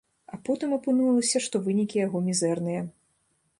А потым апынулася, што вынікі яго мізэрныя.